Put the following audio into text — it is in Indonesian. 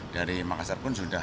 dari makassar pun sudah